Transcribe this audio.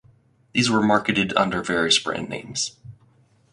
These were marketed under various brand names.